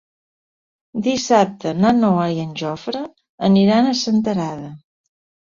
Dissabte na Noa i en Jofre aniran a Senterada.